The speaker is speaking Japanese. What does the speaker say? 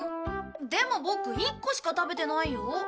でもボク１個しか食べてないよ。